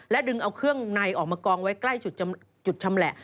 ดึงเอาเครื่องในออกมากองไว้ใกล้จุดชำแหละ